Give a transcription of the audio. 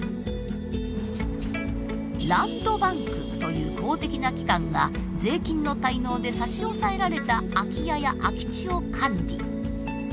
ランドバンクという公的な機関が税金の滞納で差し押さえられた空き家や空き地を管理。